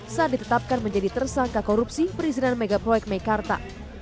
saat ditetapkan menjadi tersangka korupsi perizinan megaproyek mekarta